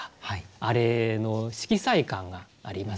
あれの色彩感がありますしね。